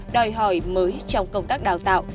đòi hỏi mới trong công tác đào tạo